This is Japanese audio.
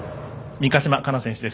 三ヶ島かな選手です。